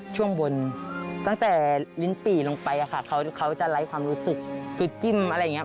แล้วอย่างที่พิกรรมที่น้องเขาอุดถูกอยู่ที่นี้ครับ